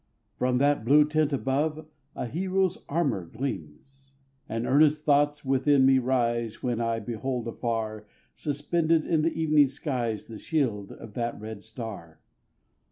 from that blue tent above, A hero's armour gleams. And earnest thoughts within me rise, When I behold afar, Suspended in the evening skies The shield of that red star.